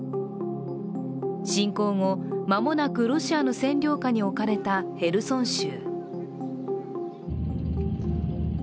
侵攻後まもなくロシアの占領下に置かれたヘルソン州。